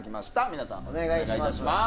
皆さん、お願いいたします。